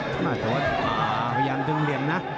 พยายามทึ่งเหลี่ยมนะ